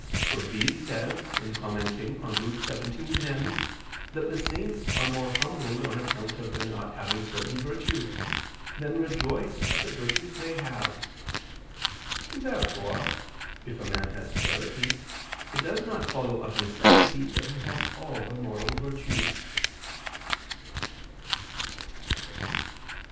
For Bede says (on Luke 17:10) that the saints are more humbled on account of their not having certain virtues, than rejoiced at the virtues they have. Therefore, if a man has charity, it does not follow of necessity that he has all the moral virtues.